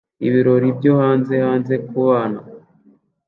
Ibirori byo hanze hanze kubana